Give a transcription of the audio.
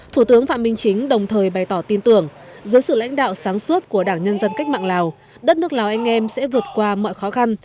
thủ tướng phạm minh chính đồng thời bày tỏ tin tưởng dưới sự lãnh đạo sáng suốt của đảng nhân dân cách mạng lào đất nước lào anh em sẽ vượt qua mọi khó khăn